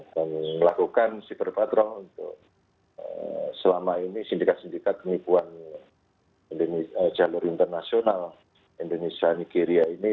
dan melakukan siberpatrol untuk selama ini sindikat sindikat penipuan jalur internasional indonesia nigeria ini